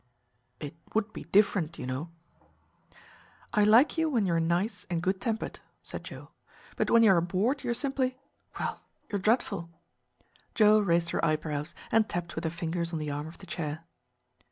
"It would be different, you know." "I like you when you are nice and good tempered," said Joe. "But when you are bored you are simply well, you are dreadful." Joe raised her eyebrows and tapped with her fingers on the arm of the chair.